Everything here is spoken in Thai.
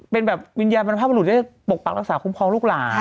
เป็นแบบวิญญาณพลังภาพบริหรุ่นจะได้ปกปรักษาคุ้มพร้อมลูกหลาน